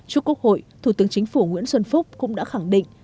trước quốc hội thủ tướng chính phủ nguyễn xuân phúc cũng đã khẳng định